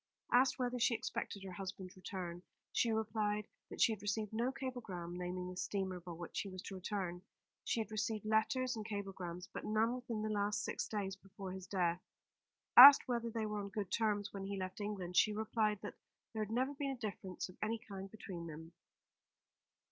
Asked whether she expected her husband's return, she replied that she had received no cablegram naming the steamer by which he was to return. She had received letters and cablegrams, but none within the last six days before his death. Asked whether they were on good terms when he left England, she replied that there had never been a difference of any kind between them.